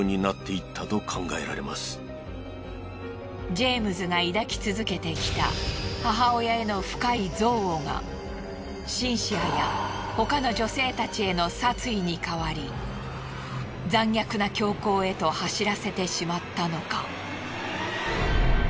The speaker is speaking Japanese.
ジェームズが抱き続けてきた母親への深い憎悪がシンシアや他の女性たちへの殺意に変わり残虐な凶行へと走らせてしまったのか。